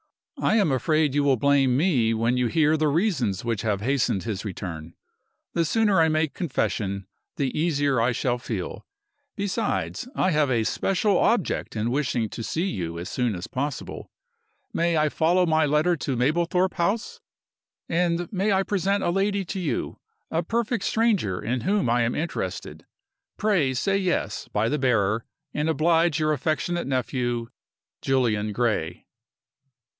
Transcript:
I am afraid you will blame me when you hear of the reasons which have hastened his return. The sooner I make my confession, the easier I shall feel. Besides, I have a special object in wishing to see you as soon as possible. May I follow my letter to Mablethorpe House? And may I present a lady to you a perfect stranger in whom I am interested? Pray say Yes, by the bearer, and oblige your affectionate nephew, "JULIAN GRAY."